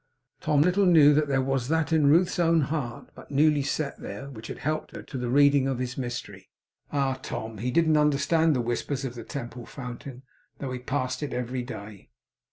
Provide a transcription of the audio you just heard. Tom little knew that there was that in Ruth's own heart, but newly set there, which had helped her to the reading of his mystery. Ah, Tom! He didn't understand the whispers of the Temple Fountain, though he passed it every day.